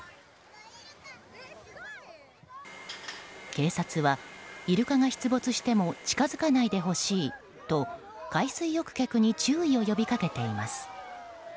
警察は、イルカが出没しても近づかないでほしいと海水浴客に注意を呼びかけています。